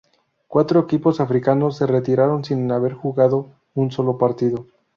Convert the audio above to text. Cuatro equipos africanos se retiraron sin haber jugado un solo partido.